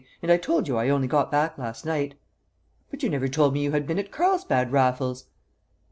And I told you I only got back last night." "But you never told me you had been at Carlsbad, Raffles!"